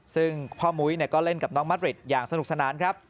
ซึ่งพ่อมุ้ยก็เล่นกับน้องมัดริดอย่างสนุกสนานครับ